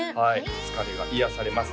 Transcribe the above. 疲れが癒やされます